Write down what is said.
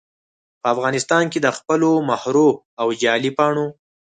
په افغانستان کې دخپلو مهرو او جعلي پاڼو